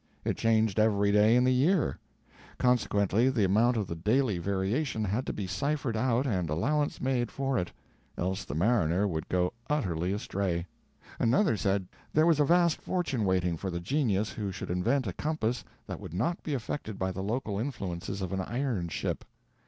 It changed every day in the year; consequently the amount of the daily variation had to be ciphered out and allowance made for it, else the mariner would go utterly astray. Another said there was a vast fortune waiting for the genius who should invent a compass that would not be affected by the local influences of an iron ship.